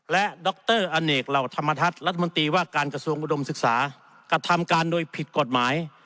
และดรอเนกเหล่าธรรมทัศน์รัฐมนตรีว่าการกระทรวงอุดมศึกษากระทำการโดยผิดกฎหมาย